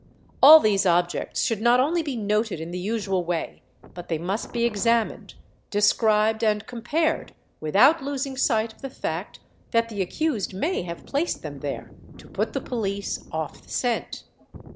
All these objects should not only be noted in the 7 usual way, but they must be examined, described, and compared, without a losing. sight of the fact that the accused may have placed them there to _ put the police off the scent.